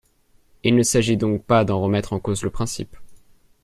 Il ne s’agit donc pas d’en remettre en cause le principe.